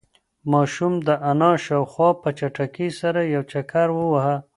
ماشوم د انا شاوخوا په چټکۍ سره یو چکر وواهه.